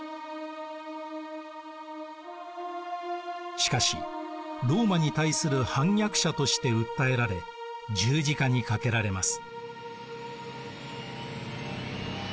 しかしローマに対する反逆者として訴えられ十字架にかけられます。